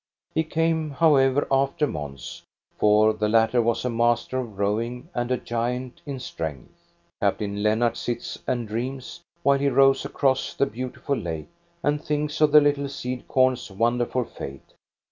He came however after Mons, for the latter was a master of rowing and a giant in strength. Captain Lennart sits and dreams, while he rows across the beautiful lake, and thinks of the little seed corns' wonderful fate.